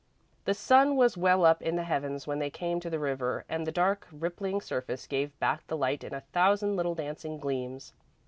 The sun was well up in the heavens when they came to the river, and the dark, rippling surface gave back the light in a thousand little dancing gleams.